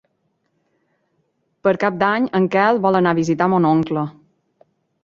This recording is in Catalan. Per Cap d'Any en Quel vol anar a visitar mon oncle.